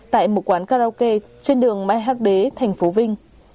tại một quán karaoke trên đường mai hắc đế thành phố vinh